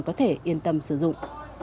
có thể yên tâm sử dụng